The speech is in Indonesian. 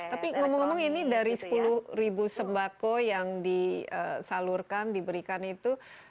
tapi ngomong ngomong ini dari sepuluh sembako yang disalurkan diberikan itu